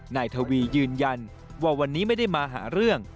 นายทวียืนยันว่าวันนี้ไม่ได้มาหาเรื่อง